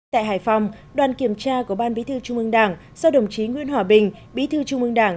tại hải phòng đoàn kiểm tra của ban bí thư trung ương đảng do đồng chí nguyễn hòa bình bí thư trung ương đảng